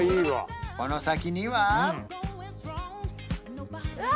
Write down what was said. この先にはうわ！